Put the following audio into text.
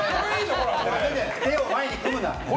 手を前に組むな。